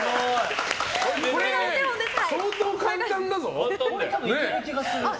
相当簡単だぞ。